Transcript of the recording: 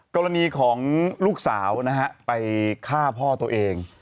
กรณีของลูกสาวนะฮะไปฆ่าพ่อตัวเอง